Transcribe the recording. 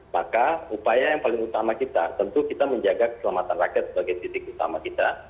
maka upaya yang paling utama kita tentu kita menjaga keselamatan rakyat sebagai titik utama kita